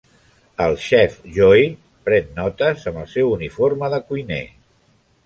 El xef Joey pren notes amb el seu uniforme de cuiner.